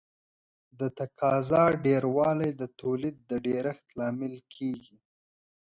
د تقاضا ډېروالی د تولید د ډېرښت لامل کیږي.